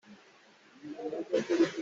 Ka hnar a pih tuk caah ka thaw chuah a har.